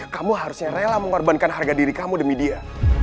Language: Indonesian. kamu harusnya rela mengorbankan harga diri kamu demi dia